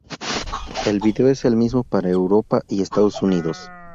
El vídeo es el mismo para Europa y Estados Unidos.